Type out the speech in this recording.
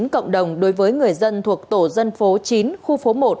cộng đồng đối với người dân thuộc tổ dân phố chín khu phố một